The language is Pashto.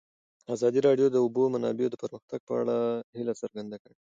ازادي راډیو د د اوبو منابع د پرمختګ په اړه هیله څرګنده کړې.